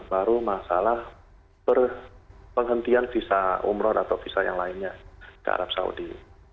baru masalah penghentian visa umroh atau visa yang lainnya ke arab saudi